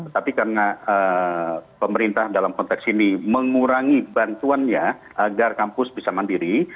tapi karena pemerintah dalam konteks ini mengurangi bantuannya agar kampus bisa mandiri